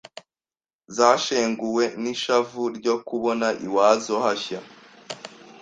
Zashenguwe n’ishavu ryo kubona iwazo hashya